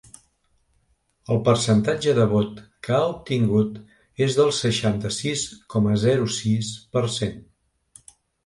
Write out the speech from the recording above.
El percentatge de vot que ha obtingut és del seixanta-sis coma zero sis per cent.